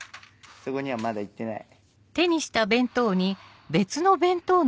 そこにはまだいってない。